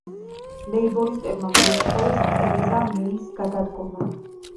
ლეიბორისტებმა მოითხოვეს ტერეზა მეის გადადგომა.